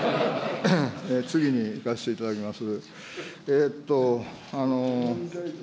次にいかせていただきます。